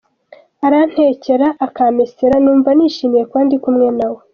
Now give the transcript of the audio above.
Arantekera akamesera, numva nishimiye kuba ndi kumwe na we.